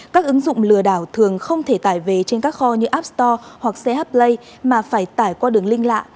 các ứng dụng lửa đảo thường không thể tải về trên các kho như app store hoặc sh play mà phải tải qua đường linh lạ